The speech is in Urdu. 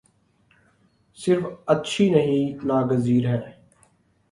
صرف اچھی نہیں ناگزیر ہے۔